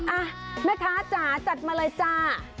อ่ะแม่ค้าจ๋าจัดมาเลยจ้า